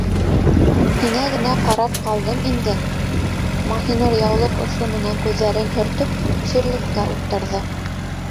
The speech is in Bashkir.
Һиңә генә ҡарап ҡалдым инде, - Маһинур, яулыҡ осо менән күҙҙәрен һөртөп, ширлеккә ултырҙы.